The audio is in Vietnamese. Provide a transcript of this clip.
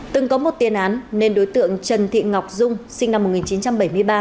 từng có một tiền án nên đối tượng trần thị ngọc dung sinh năm một nghìn chín trăm bảy mươi ba